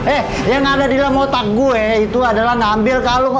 eh yang ada di dalam otak gue itu adalah ngambil kalung